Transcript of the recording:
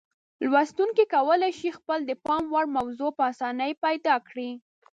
لوستونکي کولای شي خپله د پام وړ موضوع په اسانۍ پیدا کړي.